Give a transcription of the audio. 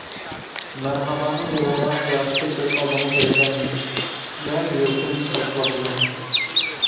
مەرھابانىڭ يىغلىغان قىياپىتى كۆز ئالدىمغا كەلگەندە يۈرىكىم سىقىلىشقا باشلىدى.